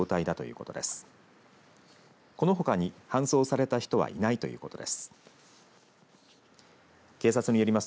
このほかに搬送された人はいないということです。